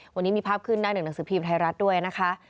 วันนี้มีภาพขึ้นหน้าหนึ่งหนังสือพิมพ์ไทยรัฐด้วยนะคะ